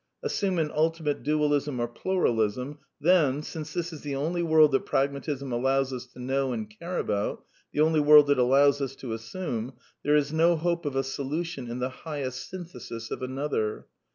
Assume an ultimate Dualism or Pluralism; then, since this is the only world that Pragmatism allows us to know and care about, the only world it allows us to assume, J there is no hope of a solution in the '^ highest synthesis " i of another.